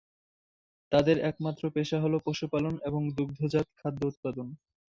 তাদের একমাত্র পেশা হলো পশুপালন এবং দুগ্ধজাত খাদ্য উৎপাদন।